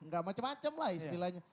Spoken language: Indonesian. gak macem macem lah istilahnya